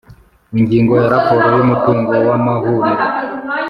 Ingingo ya Raporo y umutungo w amahuriro